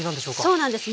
そうなんです。